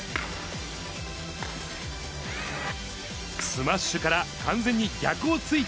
スマッシュから完全に逆をついて